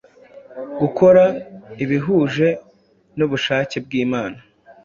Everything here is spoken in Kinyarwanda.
gukora ibihuje n’ubushake bw’Imana.